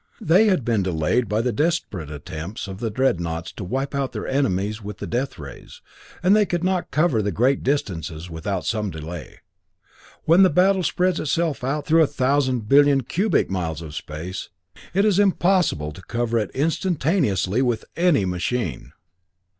They had been delayed by the desperate attempts of the dreadnaughts to wipe out their enemies with the death rays, and they could not cover the great distances without some delay. When a battle spreads itself out through a ten thousand mile cube of space through a thousand billion cubic miles of space it is impossible to cover it instantaneously with any machine.